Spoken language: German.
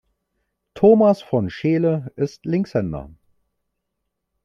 Thomas von Scheele ist Linkshänder.